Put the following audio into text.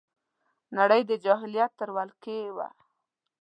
نړۍ د جاهلیت تر ولکې وه